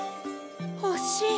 ほしい。